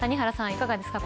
いかがですか。